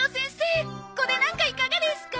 これなんかいかがですか？